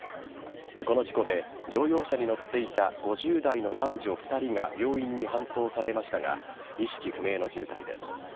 この事故で乗用車に乗っていた５０代の男女２人が病院に搬送されましたが意識不明の重体です。